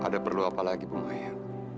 ada perlu apa lagi bung ayah